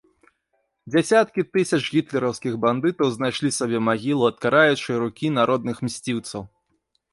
Дзесяткі тысяч гітлераўскіх бандытаў знайшлі сабе магілу ад караючай рукі народных мсціўцаў.